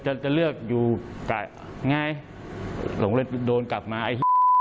ทำไมจะเลือกอยู่ง่ายโรงเรียนโดนกลับมาไอ้เหี้ย